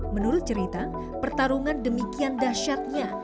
menurut cerita pertarungan demikian dahsyatnya